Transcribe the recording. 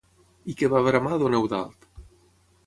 I què va bramar don Eudald?